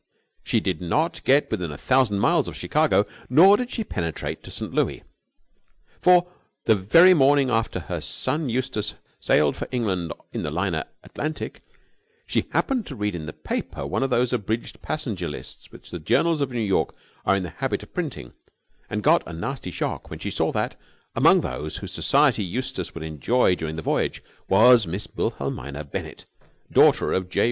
She did not get within a thousand miles of Chicago, nor did she penetrate to St. Louis. For the very morning after her son Eustace sailed for England in the liner Atlantic, she happened to read in the paper one of those abridged passenger lists which the journals of New York are in the habit of printing, and got a nasty shock when she saw that, among those whose society Eustace would enjoy during the voyage was Miss Wilhelmina Bennett, daughter of J.